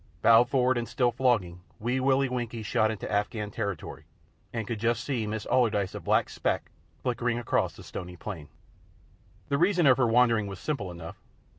Bowed forward and still flogging, Wee Willie Winkie shot into Afghan territory, and could just see Miss Allardyce a black speck, flickering across the stony plain. The reason of her wandering was simple enough.